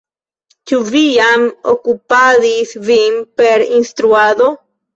Ĉu vi jam okupadis vin per instruado?